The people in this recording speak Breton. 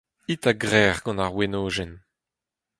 It a-grec'h gant ar wenodenn.